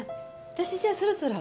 私じゃあそろそろ。